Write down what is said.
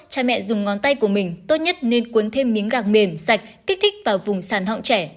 cha mẹ dùng ngón tay của mình tốt nhất nên cuốn thêm miếng gạc mềm sạch kích thích vào vùng sàn họng trẻ